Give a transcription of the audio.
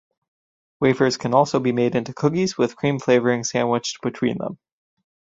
Wafers can also be made into cookies with cream flavoring sandwiched between them.